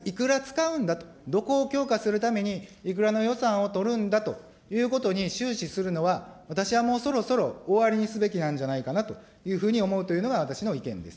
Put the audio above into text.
労働市場もやっぱり、いくら使うんだ、どこを強化するために、いくらの予算を取るんだということに終始するのは、私はもうそろそろ終わりにすべきなんじゃないかなというふうに思うというのが私の意見です。